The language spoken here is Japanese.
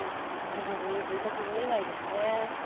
周り、住宅見えないですね。